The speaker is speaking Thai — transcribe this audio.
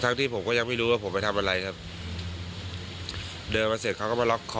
ที่ผมก็ยังไม่รู้ว่าผมไปทำอะไรครับเดินมาเสร็จเขาก็มาล็อกคอ